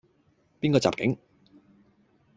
邊個襲警?